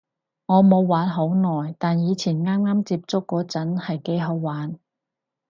我冇玩好耐，但以前啱啱接觸嗰陣係幾好玩